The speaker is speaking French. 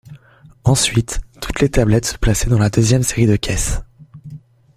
Ensuite, toutes les tablettes se plaçaient dans la deuxième série de caisses.